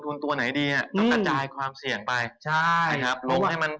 ต้องกระจายความเสี่ยงไป